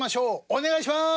お願いします！